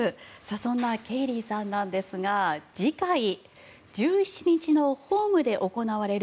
そんなケイリーさんなんですが次回、１７日のホームで行われる